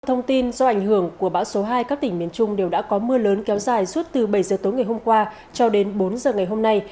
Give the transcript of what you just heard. thông tin do ảnh hưởng của bão số hai các tỉnh miền trung đều đã có mưa lớn kéo dài suốt từ bảy giờ tối ngày hôm qua cho đến bốn giờ ngày hôm nay